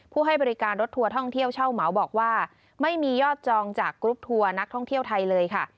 ให้บริการรถทัวร์ท่องเที่ยวเช่าเหมาบอกว่าไม่มียอดจองจากกรุ๊ปทัวร์นักท่องเที่ยวไทยเลยค่ะ